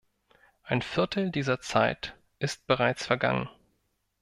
Ein Viertel dieser Zeit ist bereits vergangen.